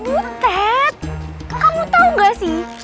ustadz kamu tahu nggak sih